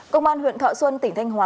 công an huyện thọ xuân tỉnh thanh hóa